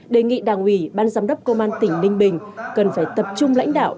đề nghị đảng ủy ban giám đốc công an tỉnh ninh bình cần phải tập trung lãnh đạo